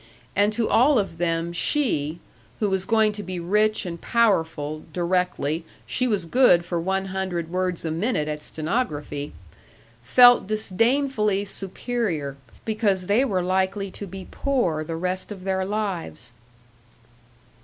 And to all of them she who was going to be rich and powerful, directly she was good for one hundred words a minute at stenography! felt disdainfully superior, because they were likely to be poor the rest of their lives.